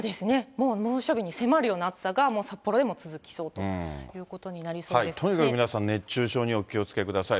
もう猛暑日に迫るような暑さが札幌でも続きそうということになりとにかく質問、熱中症にはお気をつけください。